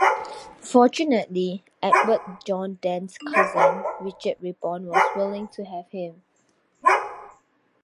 Fortunately, Edward John Dent's cousin, Richard Rippon, was willing to have him.